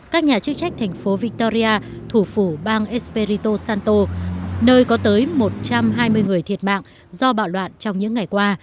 các nhà chức trách thành phố victoria thủ phủ bang esperito santo nơi có tới một trăm hai mươi người thiệt mạng do bạo loạn trong những ngày qua